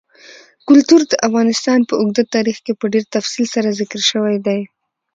کلتور د افغانستان په اوږده تاریخ کې په ډېر تفصیل سره ذکر شوی دی.